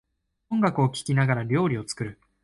音楽を聴きながら料理を作る